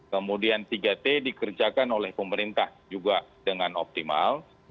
kemudian tiga t dikerjakan oleh pemerintah juga dengan optimal